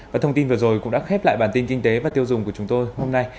và thông tin vừa rồi cũng đã khép lại bản tin kinh tế và tiêu dùng của chúng tôi hôm nay